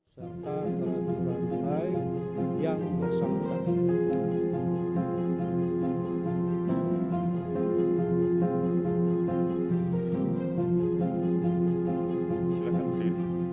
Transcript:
serta teraturantai yang bersama kami